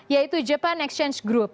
yaitu japan exchange group